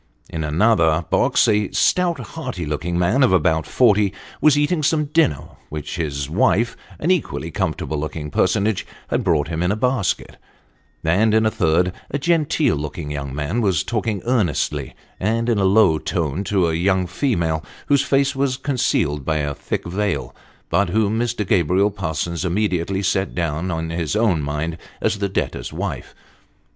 In another box a stout, hearty looking man, of about forty, was eating some dinner which his wife an equally comfortable looking personage had brought him in a basket : and in a third, a genteel looking young man was talking earnestly, and in a low tone, to a young female, whose face was concealed by a thick veil, but whom Mr. Gabriel Parsons immediately set down in his own mind as the debtor's wife.